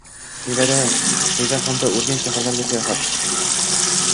Xiva hamda Urganch shaharlariga sayohat